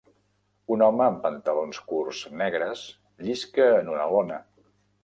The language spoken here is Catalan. Un home amb pantalons curts negres llisca en una lona.